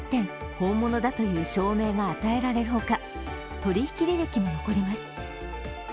本物だという証明が与えられるほか取引履歴も残ります。